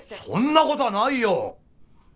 そんなことはないよ！